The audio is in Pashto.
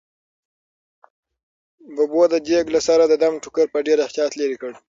ببو د دېګ له سره د دم ټوکر په ډېر احتیاط لیرې کړ.